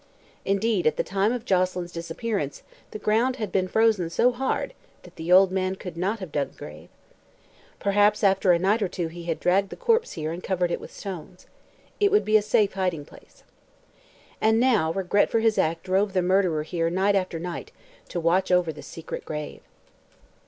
Indeed, at the time of Joselyn's "disappearance" the ground had been frozen so hard that the old man could not have dug a grave. Perhaps after a night or two he had dragged the corpse here and covered it with stones. It would be a safe hiding place. And now regret for his act drove the murderer here night after night to watch over the secret grave.